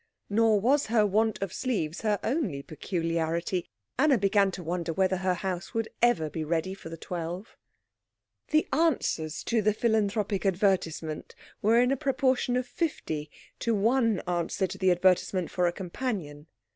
Nor was her want of sleeves her only peculiarity. Anna began to wonder whether her house would ever be ready for the twelve. The answers to the philanthropic advertisement were in a proportion of fifty to one answer to the advertisement for a companion.